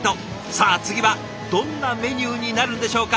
さあ次はどんなメニューになるんでしょうか。